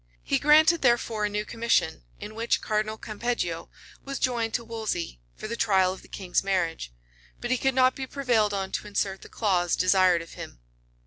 He granted, therefore, a new commission, in which Cardinal Campeggio was joined to Wolsey, for the trial of the king's marriage; but he could not be prevailed on to insert the clause desired of him.